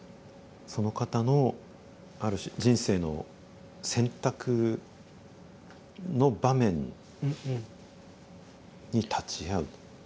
その方のある種人生の選択の場面に立ち会う。